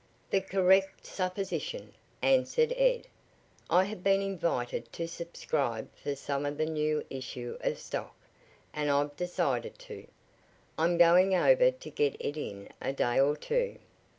"The correct supposition," answered Ed. "I have been invited to subscribe for some of the new issue of stock, and I've decided to. I'm going over to get it in a day or two.